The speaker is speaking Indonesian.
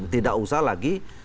tidak usah lagi